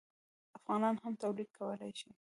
افغانان هم تولید کولی شي.